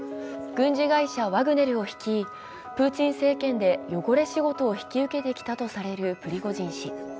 軍事会社ワグネルを率い、プーチン政権で汚れ仕事を引き受けてきたとされるプリゴジン氏。